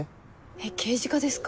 えっ刑事課ですか？